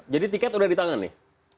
jadi tiket sudah di tangan nih